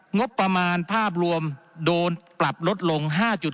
งบประมาณภาพรวมโดนปรับลดลง๕๗